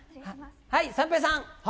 三平さん。